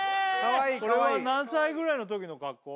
これは何歳ぐらいの時の格好？